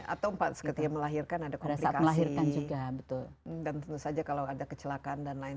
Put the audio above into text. atau seketia melahirkan ada kondisi juga betul dan tentu saja kalau ada kecelakaan dan lain